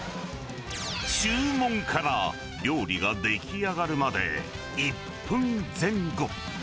注文から料理が出来上がるまで１分前後。